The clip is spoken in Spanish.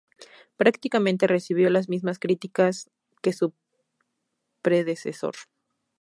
Prácticamente recibió las mismas críticas que su predecesor.